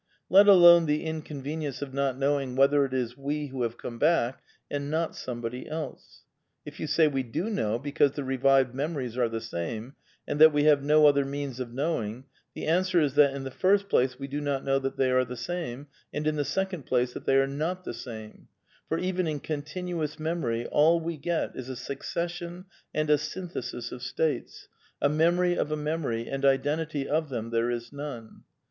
^^ Let alone the inconvenience of not knowing whether it is we who have come back and not somebody else. If you say we do know, because the revived memories are the same, and that we have no other means of knowing, the an swer is that in the first place we do not know that they are the same, and in the second place that they are not the same ; for even in continuous memory all we get is a suc cession and a synthesis of states, a memory of a memory, and identity of them there is none.